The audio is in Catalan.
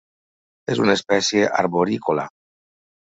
És una espècie arborícola.